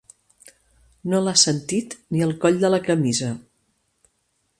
No l'ha sentit ni el coll de la camisa.